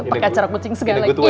pakai acara kucing segalanya